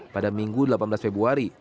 pada minggu delapan belas februari